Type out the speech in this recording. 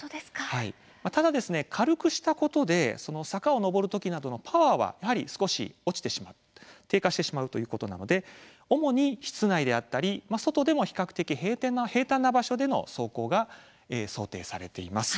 ただ、軽くしたことで坂を上る時などのパワーは少し、低下してしまうということなので主に室内や外でも平坦な場所での走行を想定されています。